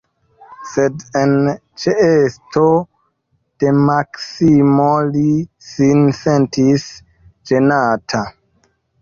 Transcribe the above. Sed en ĉeesto de Maksimo li sin sentis ĝenata.